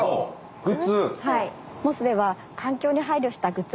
グッズ？